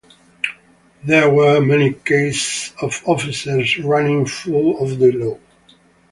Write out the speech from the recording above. There were many cases of officers running foul of the law.